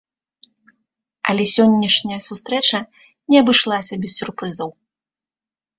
Але сённяшняя сустрэча не абышлася без сюрпрызаў.